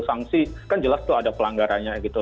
sanksi kan jelas tuh ada pelanggarannya gitu